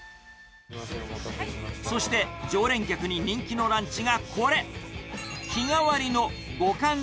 そして、常連客に人気のランチがこれ。